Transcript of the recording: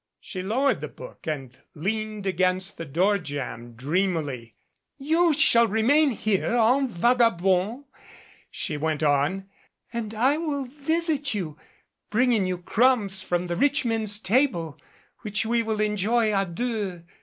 She lowered the book and leaned against the door jamb dreamily. "You shall remain here en vagabond," she went on, "and I will visit you, bringing you crumbs from the rich men's table, which we will enjoy a deux.